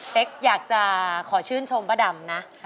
เต็กอยากจะขอชื่นชมปไรมนะ